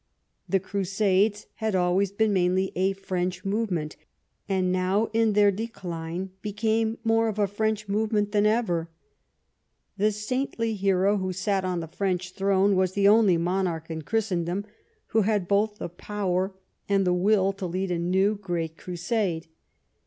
The Crusades had always been mainly a Frencli movement, and now in their decline became more of a French movement than ever. The saintly hero who sat on the French throne was the only monarch in Christen dom who had both the power and the will to lead a new great Crusade.